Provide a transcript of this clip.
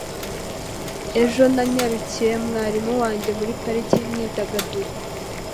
Ejo nanyarukiye mwarimu wanjye muri parike yimyidagaduro